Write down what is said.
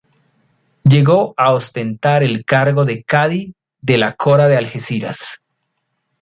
Llegó a ostentar el cargo de cadí de la Cora de Algeciras.